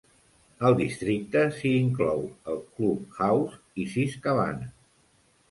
Al districte s"hi inclou el Club House i sis cabanes.